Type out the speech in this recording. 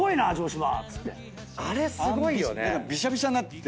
あれすごいよね。